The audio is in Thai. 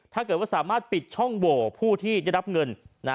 ถ้าเกิดว่าสามารถปิดช่องโหวผู้ที่ได้รับเงิน